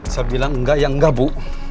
saya bilang enggak yang enggak bu